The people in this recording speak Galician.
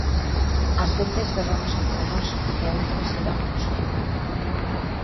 Ás veces berramos entre nós, e outras levámonos ben.